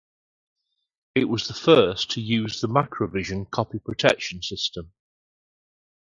It was the first to use the Macrovision copy protection system.